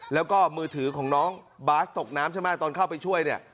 แล้วก็มือถือของน้องบาสตกน้ำใช่ไหมตอนเข้าไปช่วยเนี่ย